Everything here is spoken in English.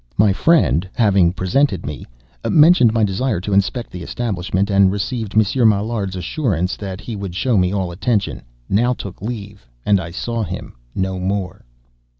My friend, having presented me, mentioned my desire to inspect the establishment, and received Monsieur Maillard's assurance that he would show me all attention, now took leave, and I saw him no more.